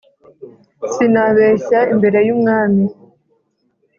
Sinabeshya imbere y'Umwami,